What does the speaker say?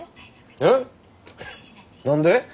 えっ何で？